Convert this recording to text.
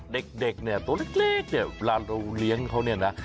เด็กเนี่ยตัวเล็กเนี่ยเวลาเราเลี้ยงเขาเนี่ยนะ